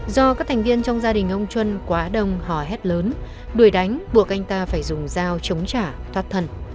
do các thành viên trong gia đình ông trân quá đông hò hét lớn đuổi đánh buộc anh ta phải dùng dao chống trả thoát thần